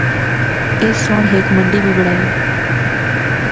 اس سنڑ ہک منڈی بھی بنڑائی۔